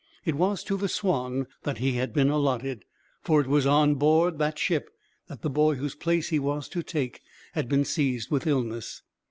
It was to the Swanne that he had been allotted, for it was on board that ship that the boy whose place he was to take had been seized with illness.